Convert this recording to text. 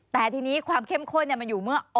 แต่ทีนี้ความเข้มข้นมันอยู่เมื่อ